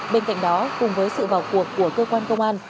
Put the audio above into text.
bên cạnh đó cùng với sự vào cuộc của cơ quan công an